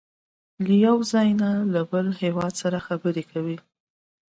له یو ځای نه له بل هېواد سره خبرې کوي.